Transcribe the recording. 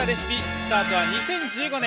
スタートは２０１５年。